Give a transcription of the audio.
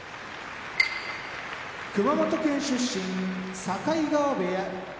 熊本県出身境川部屋